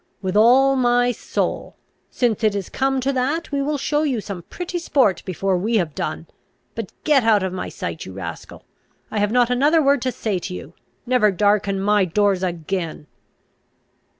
With all my soul! Since it is come to that, we will show you some pretty sport before we have done! But get out of my sight, you rascal! I have not another word to say to you! Never darken my doors again."